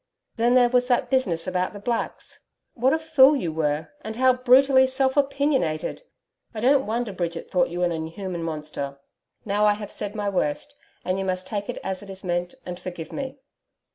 Then there was that business about the blacks. What a fool you were and how brutally self opinionated! I don't wonder Bridget thought you an inhuman monster. Now I have said my worst, and you must take it as it is meant and forgive me.